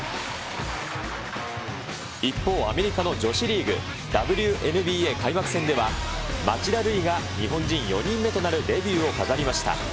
一方、アメリカの女子リーグ、ＷＮＢＡ開幕戦では、町田瑠唯が日本人４人目となるデビューを飾りました。